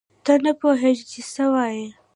ته نه پوهېږې چې څه وایې.